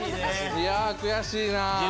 いや悔しいな。